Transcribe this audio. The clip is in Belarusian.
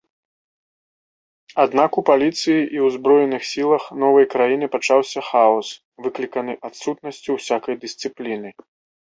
Аднак у паліцыі і ўзброеных сілах новай краіны пачаўся хаос, выкліканы адсутнасцю усякай дысцыпліны.